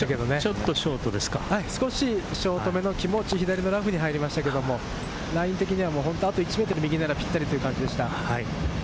ちょっとショートで、左のラフに入りましたが、ライン的にはあと１ｍ右なら、ぴったりという感じでした。